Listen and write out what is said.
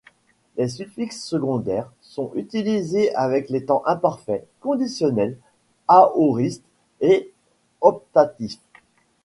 Les suffixes secondaires sont utilisés avec les temps imparfait, conditionnel, aoriste et optatif.